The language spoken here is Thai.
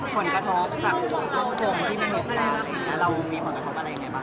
ผลกระทบจากความหวงที่ไม่เหมือนกันเรามีผลกระทบอะไรอย่างไรบ้าง